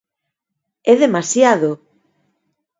É demasiado!